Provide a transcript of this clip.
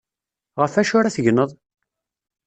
Ɣef wacu ara tegneḍ?